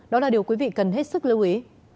đó là điều quý vị cần hết sức lưu ý